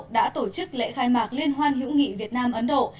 đã tổ chức lễ khai mạc liên hoan hữu nghị việt nam ấn độ